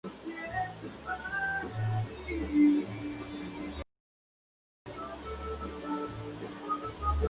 En Australia se construye una nueva Aldea Infantil.